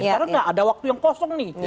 sekarang tidak ada waktu yang kosong nih